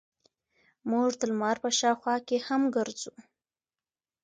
موږ د لمر په شاوخوا کې هم ګرځو.